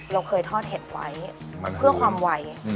เราเคยทอดเห็ดไว้เพื่อความไว